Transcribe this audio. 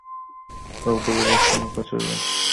সবগুলা বাক্স হালকা ছিল।